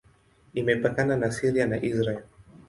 Imepakana na Syria na Israel.